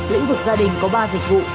lĩnh vực gia đình có ba dịch vụ